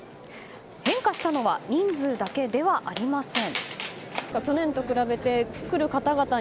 変化したのは人数だけではありません。